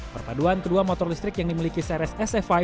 perpaduan kedua motor listrik yang dimiliki crs sf lima